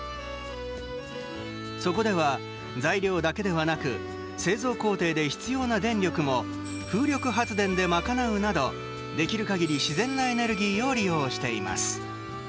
そこでは、材料だけではなく製造工程で必要な電力も風力発電で賄うなど、できる限り自然なエネルギーを利用しています。